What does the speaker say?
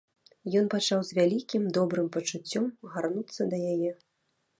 Ён пачаў з вялікім добрым пачуццём гарнуцца да яе.